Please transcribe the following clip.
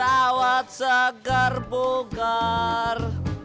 tawat segar bugar